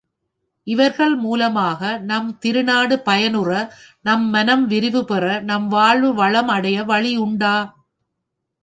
இவர்கள் மூலமாக, நம் திருநாடு பயனுற, நம் மனம் விரிவுபெற, நம் வாழ்வு வளம் அடைய வழி உண்டா?